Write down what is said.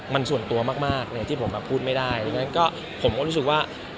มันส่วนตัวมากเลยที่ผมพูดไม่ได้ดังนั้นก็ผมก็รู้สึกว่า